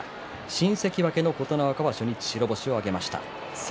新関脇の琴ノ若が初日白星を挙げました。